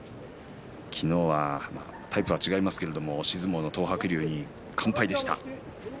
昨日はタイプは違いますが押し相撲の東白龍に完敗でした。